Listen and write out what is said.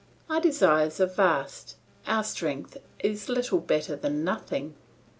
Our desires are vast, our strength is little better than nothing.